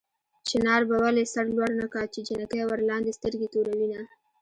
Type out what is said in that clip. چنار به ولې سر لوړ نه کا چې جنکۍ ورلاندې سترګې توروينه